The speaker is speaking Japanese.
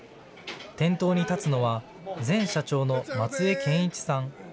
店頭に立つのは前社長の松江研一さん。